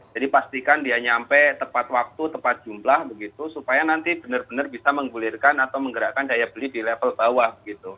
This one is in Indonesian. jadi pastikan dia nyampe tepat waktu tepat jumlah supaya nanti benar benar bisa menggulirkan atau menggerakkan daya beli di level bawah